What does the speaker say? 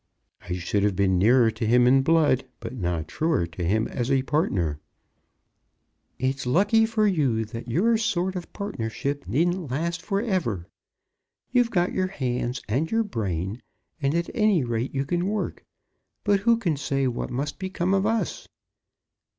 "I should have been nearer to him in blood, but not truer to him as a partner." "It's lucky for you that your sort of partnership needn't last for ever. You've got your hands and your brain, and at any rate you can work. But who can say what must become of us?